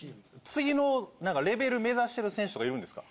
次のレベル目指してる選手とかいるんですか？